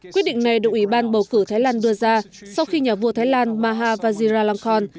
quyết định này được ủy ban bầu cử thái lan đưa ra sau khi nhà vua thái lan maha vajira lamkhon